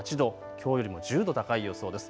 きょうよりも１０度高い予想です。